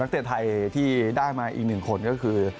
เตะไทยที่ได้มาอีกหนึ่งคนก็คือ